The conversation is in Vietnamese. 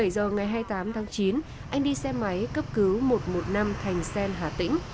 một mươi bảy giờ ngày hai mươi tám tháng chín anh đi xe máy cấp cứu một trăm một mươi năm thành sen hà tĩnh